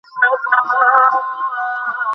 পরিখা অতিক্রমের সুবিধার্থে ইকরামা বর্শা ফেলে দেয়।